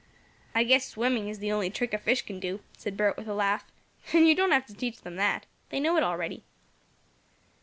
"I guess swimming is the only trick a fish can do," said Bert, with a laugh, "and you don't have to teach them that. They know it already."